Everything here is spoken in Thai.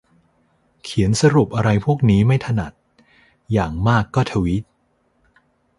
เขียนสรุปอะไรพวกนี้ไม่ถนัด อย่างมากก็ทวีต